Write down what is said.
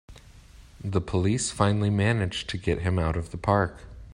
The police finally manage to get him out of the park!